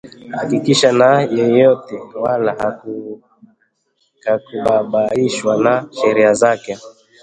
Hakutishika na yeyote wala hakubabaishwa na sheria zile